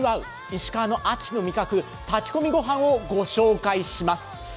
石川の秋の味覚、炊き込みご飯をご紹介します。